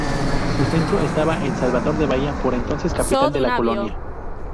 Su centro estaba en Salvador de Bahía, por entonces capital de la colonia.